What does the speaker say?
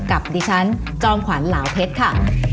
กับดิฉันจอมขวัญเหลาเพชรค่ะ